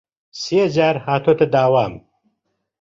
سێ جار هاتووەتە داوام